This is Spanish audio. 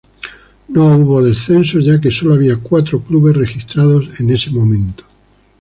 No hubo descensos ya que sólo había cuatro clubes registrados en ese momento.